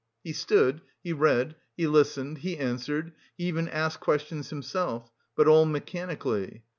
He stood, he read, he listened, he answered, he even asked questions himself, but all mechanically.